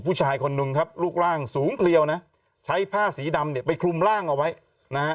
ผู้ชายคนนึงครับรูปร่างสูงเพลียวนะใช้ผ้าสีดำเนี่ยไปคลุมร่างเอาไว้นะฮะ